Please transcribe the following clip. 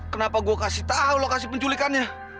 kenapa gue kasih tau lokasi penculikannya